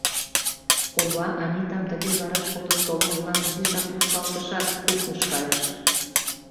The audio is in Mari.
Кова Анитам тыге вараш кодын толмыжлан изишак вурсалтышат, кухньыш кайыш.